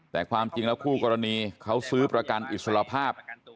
แต่ความจริงแล้วคู่กรณีเขาซื้อประกันอิสระภาพ